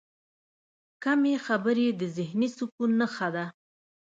کمې خبرې، د ذهني سکون نښه ده.